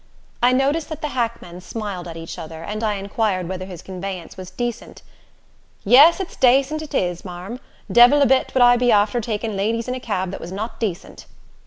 I noticed that the hackmen smiled at each other, and I inquired whether his conveyance was decent. "Yes, it's dacent it is, marm. Devil a bit would I be after takin' ladies in a cab that was not dacent."